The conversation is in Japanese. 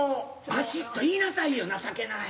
バシッと言いなさいよ情けない。